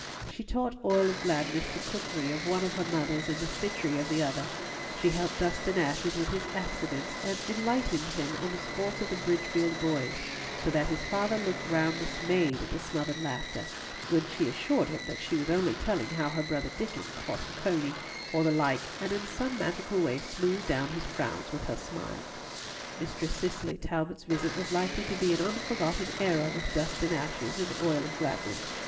She taught Oil of Gladness the cookery of one of her mothers and the stitchery of the other; she helped Dust and Ashes with his accidence, and enlightened him on the sports of the Bridgefield boys, so that his father looked round dismayed at the smothered laughter, when she assured him that she was only telling how her brother Diccon caught a coney, or the like, and in some magical way smoothed down his frowns with her smile. Mistress Cicely Talbot's visit was likely to be an unforgotten era with Dust and Ashes and Oil of Gladness.